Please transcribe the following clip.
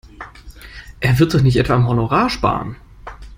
Er wird doch nicht etwa am Honorar sparen!